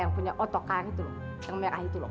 yang punya otokan itu yang merah itu loh